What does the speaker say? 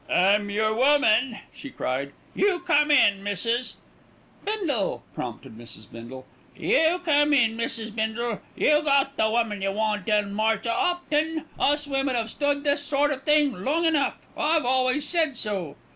"I'm your woman," she cried. "You come in, Mrs. " "Bindle!" prompted Mrs. Bindle. "You come in, Mrs. Bindle, you got the woman you want in Martha 'Opton. Us women 'ave stood this sort of thing long enough. I've always said so."